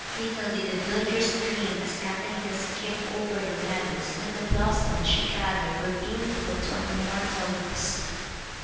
Little did the villagers dream, 280 THE TREASURE CHEST as Catarina skipped over the meadows, that the blossoms she gathered were being put to an immortal use.